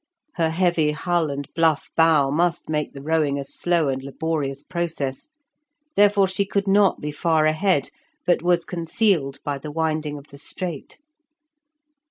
Her heavy hull and bluff bow must make the rowing a slow and laborious process; therefore she could not be far ahead, but was concealed by the winding of the strait.